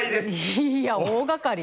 いいや大がかり。